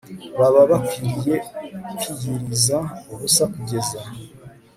baba bakwiriye kwiyiriza ubusa kugeza